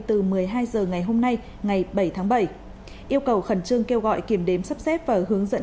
từ một mươi hai h ngày hôm nay ngày bảy tháng bảy yêu cầu khẩn trương kêu gọi kiểm đếm sắp xếp và hướng dẫn